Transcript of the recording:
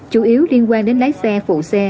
chủ yếu liên quan đến lái xe phụ xe